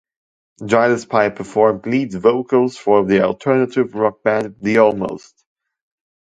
Gillespie performed lead vocals for the alternative rock band The Almost.